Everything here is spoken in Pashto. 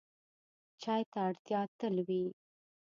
چای ته اړتیا تل وي.